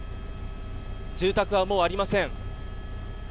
住宅はもうありません。